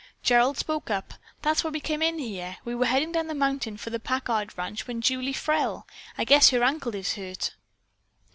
Gerald spoke up: "That's why we came in here. We were headin' down the mountain for the Packard ranch when Julie fell. I guess her ankle is hurt."